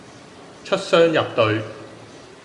出雙入對